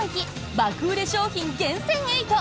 爆売れ商品厳選８。